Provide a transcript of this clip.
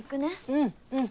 うんうん。